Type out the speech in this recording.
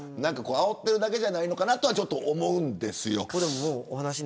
あおっているだけじゃないのかなと思うんですよ。